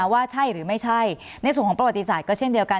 ว่าใช่หรือไม่ใช่ในส่วนของประวัติศาสตร์ก็เช่นเดียวกัน